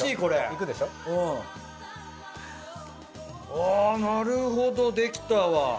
あぁなるほどできたわ。